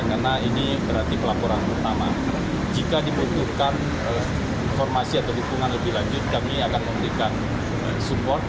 karena ini berarti pelaporan utama jika dibutuhkan informasi atau dukungan lebih lanjut kami akan memberikan support